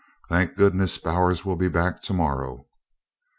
"Thank goodness, Bowers will be back to morrow!"